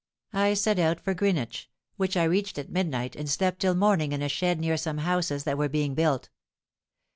I set out for Greenwich, which I reached at midnight, and slept till morning in a shed near some houses that were being built.